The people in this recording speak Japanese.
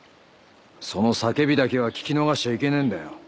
その叫びだけは聞き逃しちゃいけねえんだよ。